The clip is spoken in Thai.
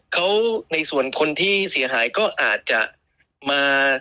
เขาในส่วนคนที่เสียหายก็อาจจะมา